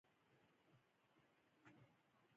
ښکاري د ښکار پر وخت ډېر خاموش وي.